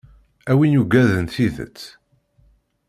A win yuggaden tidet.